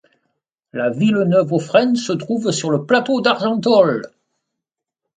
Lavilleneuve-aux-Fresnes se trouve sur le plateau d'Argentolles.